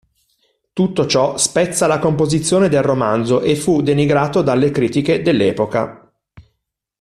Tutto ciò spezza la composizione del romanzo e fu denigrato dalle critiche dell'epoca.